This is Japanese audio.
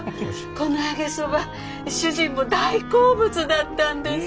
この揚げそば主人も大好物だったんです。